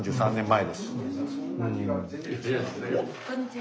こんにちは。